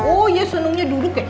oh ya senangnya duduk ya